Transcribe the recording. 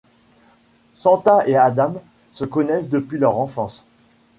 Santa et Adam se connaissent depuis leur enfance.